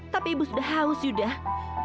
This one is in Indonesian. tapi ibu sudah haus sudah